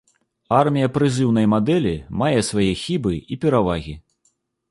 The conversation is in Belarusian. Армія прызыўнай мадэлі мае свае хібы і перавагі.